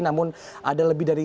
namun ada lebih dari